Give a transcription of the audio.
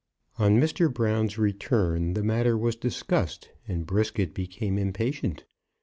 On Mr. Brown's return, the matter was discussed, and Brisket became impatient.